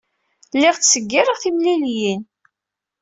Lliɣ ttseggireɣ timliliyin.